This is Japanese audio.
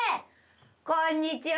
こんにちは！